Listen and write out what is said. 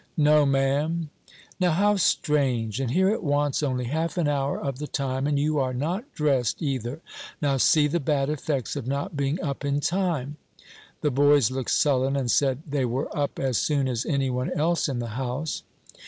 "No, ma'am." "Now, how strange! and here it wants only half an hour of the time, and you are not dressed either. Now, see the bad effects of not being up in time." The boys looked sullen, and said "they were up as soon as any one else in the house."